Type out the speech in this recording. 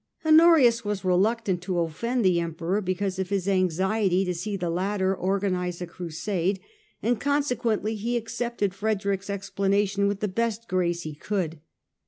Honorius was reluctant to offend the Emperor because of his anxiety to see the latter organise a Crusade, and consequently he accepted Frederick's explanation with the best grace he could.